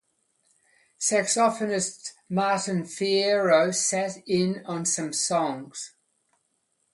Saxophonist Martin Fierro sat in on some songs.